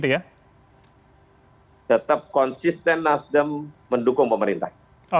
tetap konsisten nasdem mendukung pemerintah